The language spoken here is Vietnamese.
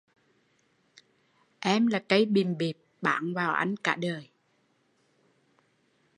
Em là cây bìm bịp bám vào anh cả đời